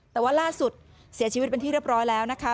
แต่ว่าล่าสุดเสียชีวิตเป็นที่เรียบร้อยแล้วนะคะ